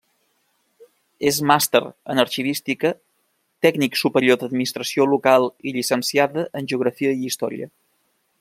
És màster en arxivística, tècnic superior d'Administració Local i llicenciada en Geografia i Història.